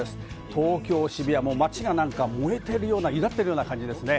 東京・渋谷も街が何か燃えてるような、ゆだってるような感じですね。